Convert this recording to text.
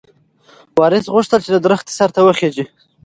وارث غوښتل چې د ونې سر ته وخیژي.